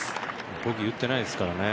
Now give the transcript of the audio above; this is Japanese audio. ボギー打ってないですからね。